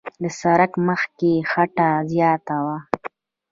د سړک مخ کې خټه زیاته وه.